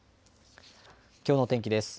きょうの天気です。